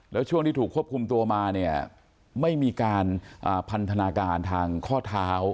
แล้วช่วงที่ถูกควบคุมตัวมาเนี่ยไม่มีการพันธนาการทางข้อเท้า